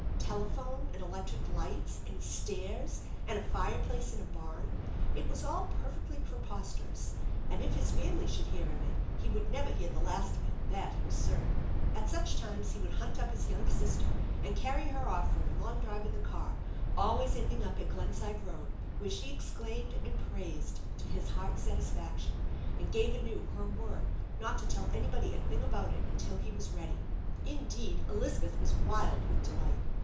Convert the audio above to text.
Telephone, and electric lights, and stairs, and a fireplace in a barn ! It was all perfectly preposterous; and, if his family should hear of it, he would never hear the last of it ; that he was certain. At such times he would hunt up his young sister and cany her off for a long drive in the car, always ending up at Glen side Road, where she exclaimed and praised to his heart's satisfaction, and gave anew her word not to tell anybody a thing about it until he was ready. Indeed, Elizabeth was wild with delight.